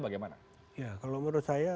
bagaimana ya kalau menurut saya